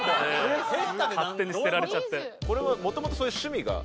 これはもともとそういう趣味が？